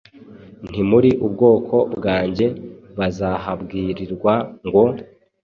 Ntimuri ubwoko bwanjye’, bazahabwirirwa ngo,